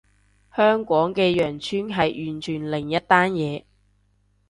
香港嘅羊村係完全另一單嘢